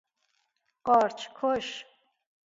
قارچ کش